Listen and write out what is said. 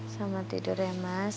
selamat tidur ya mas